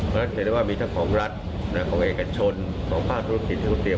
ก็เลยทำให้นายกก็ย้ำนะคะบอกว่าการระบาดในระรอกเมษาเนี่ย